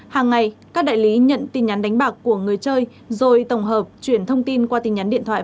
hàng ngày các đại lý nhận tin nhắn đánh bạc của người chơi rồi tổng hợp chuyển thông tin qua tin nhắn điện thoại